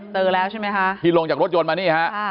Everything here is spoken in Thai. เจอแล้วใช่ไหมคะที่ลงจากรถยนต์มานี่ฮะ